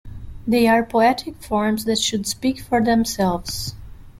They are poetic forms that should speak for themselves.